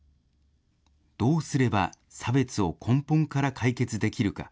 どうすれば差別を根本から解決できるか。